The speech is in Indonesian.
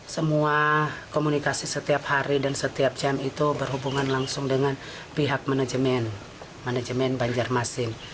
semua komunikasi setiap hari dan setiap jam itu berhubungan langsung dengan pihak manajemen banjarmasin